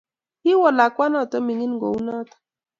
Kiwol lakwanoto noto mining kounoto